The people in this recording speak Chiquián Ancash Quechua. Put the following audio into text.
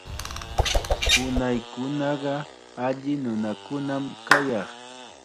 Unaykunaqa alli nunakunam kayaq.